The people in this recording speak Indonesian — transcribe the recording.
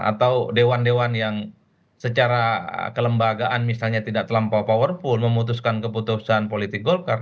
atau dewan dewan yang secara kelembagaan misalnya tidak terlampau powerful memutuskan keputusan politik golkar